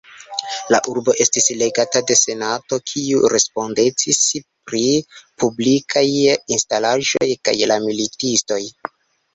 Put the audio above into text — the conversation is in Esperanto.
La urbo estis regata de Senato, kiu respondecis pri publikaj instalaĵoj kaj la militistoj.